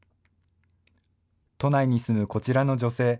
都内に住むこちらの女性。